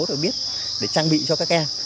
được biết để trang bị cho các em